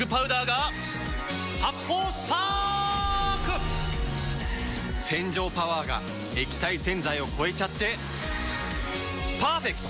発泡スパーク‼洗浄パワーが液体洗剤を超えちゃってパーフェクト！